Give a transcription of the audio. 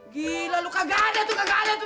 gila lu kagak ada tuh kagak ada tuh